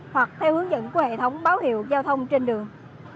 hoặc theo hướng dẫn của hệ thống báo hiệu giao thông trên đường